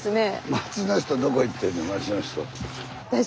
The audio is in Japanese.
町の人どこ行ってんねん町の人。